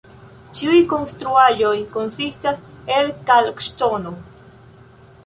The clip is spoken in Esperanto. Ĉiuj konstruaĵoj konsistas el kalkŝtono.